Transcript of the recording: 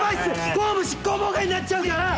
公務執行妨害になっちゃうから！